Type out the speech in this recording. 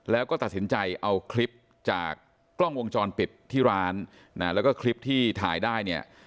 แล้วก็ตัดสินใจเอาคลิปจากกล้องวงจรปิดที่ร้านนะแล้วก็คลิปที่ถ่ายได้เนี่ย